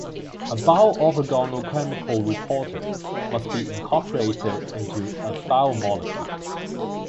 A bioorthogonal chemical reporter must be incorporated into a biomolecule.